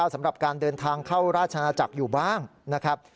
สำหรับการเดินทางเข้าราชนาจักรอยู่บ้างนะครับ